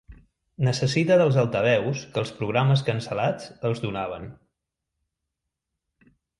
Necessita dels altaveus que els programes cancel·lats els donaven.